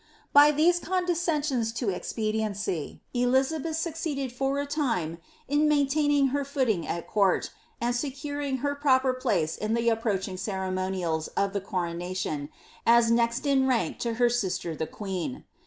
' By these con* descensions to expediency, Elizabeth succeeded for a time an maintain ing her footing at court, and securing her proper place in the approach ing ceremonial of the coronation, as next in rank to her sister the queen.